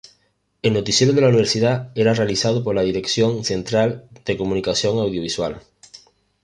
El noticiero de la Universidad era realizado por la Dirección Central de Comunicación Audiovisual.